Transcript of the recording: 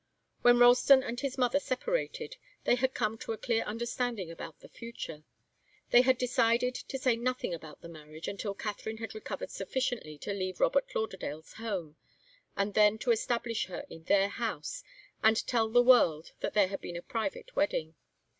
When Ralston and his mother separated, they had come to a clear understanding about the future. They had decided to say nothing about the marriage until Katharine had recovered sufficiently to leave Robert Lauderdale's home, and then to establish her in their house, and tell the world that there had been a private wedding.